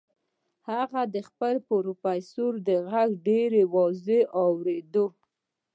هغه د خپل پروفيسور غږ ډېر واضح واورېد.